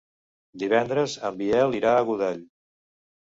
Divendres en Biel irà a Godall.